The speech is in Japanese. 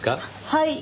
はい。